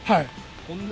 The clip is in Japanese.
こんな。